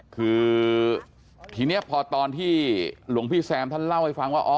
คือทีนี้พอตอนที่หลวงพี่แซมท่านเล่าให้ฟังว่า